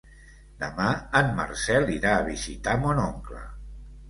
Demà en Marcel irà a visitar mon oncle.